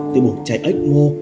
từ buồn cháy ếch mô